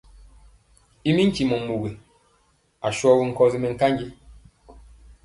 I mi ntimɔ mugi asɔgi nkɔsi mɛnkanji.